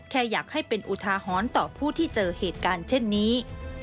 แค่อยากให้เป็นอุทาหรณ์ต่อผู้ที่เจอเหตุการณ์เช่นนี้